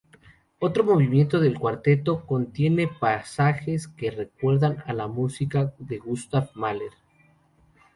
Otro movimiento del cuarteto contiene pasajes que recuerdan a la música de Gustav Mahler.